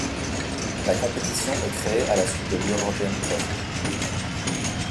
La compétition est créée à la suite de l'European Trophy.